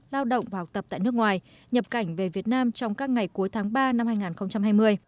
lao động và học tập tại nước ngoài nhập cảnh về việt nam trong các ngày cuối tháng ba năm hai nghìn hai mươi